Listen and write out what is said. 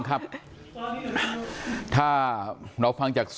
พี่ขอไปร้องข้างในก่อน